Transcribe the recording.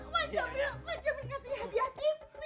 wan jamin ngasih hadiah tv